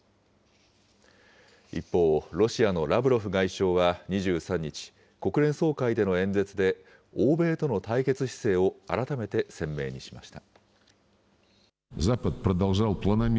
一方、ロシアのラブロフ外相は２３日、国連総会での演説で、欧米との対決姿勢を改めて鮮明にしました。